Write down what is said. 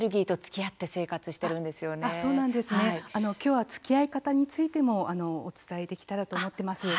きょうはつきあい方についてもお伝えできたらと思ってます。